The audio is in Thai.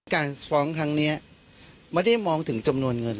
การฟ้องครั้งนี้ไม่ได้มองถึงจำนวนเงิน